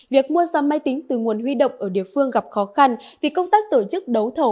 việc mua ra máy tính từ nguồn huy động ở địa phương gặp khó khăn vì công tác tổ chức đấu thầu